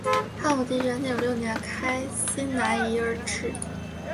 汉武帝元鼎六年开西南夷而置。